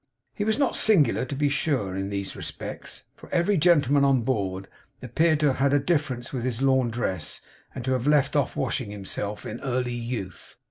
He was not singular, to be sure, in these respects; for every gentleman on board appeared to have had a difference with his laundress and to have left off washing himself in early youth.